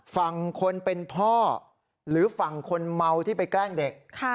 ฝั่งคนเป็นพ่อหรือฝั่งคนเมาที่ไปแกล้งเด็ก